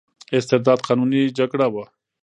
استرداد قانوني جګړه وه.